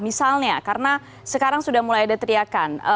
misalnya karena sekarang sudah mulai ada teriakan